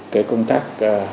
cái công tác